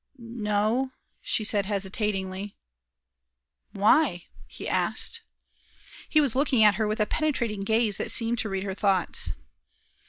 "No," she said, hesitatingly. "Why?" he asked. He was looking at her with a penetrating gaze that seemed to read her thoughts.